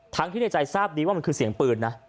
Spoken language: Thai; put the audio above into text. ที่ในใจทราบดีว่ามันคือเสียงปืนนะ